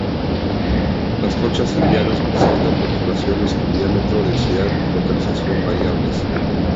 Las conchas hialinas presentan perforaciones con diámetro, densidad y localización variables.